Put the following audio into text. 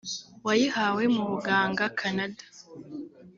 wayihawe mu buganga Canada